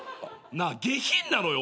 下品なのよ